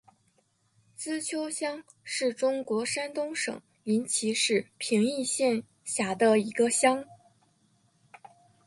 资邱乡是中国山东省临沂市平邑县下辖的一个乡。